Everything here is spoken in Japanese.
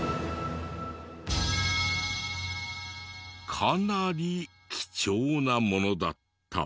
かなり貴重なものだった。